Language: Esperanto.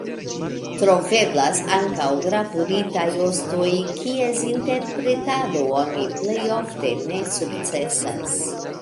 Troveblas ankaŭ gravuritaj ostoj, kies interpretado oni plej ofte ne sukcesas.